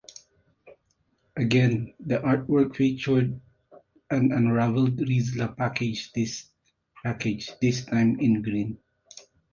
Again the artwork featured an unravelled Rizla package, this time in green.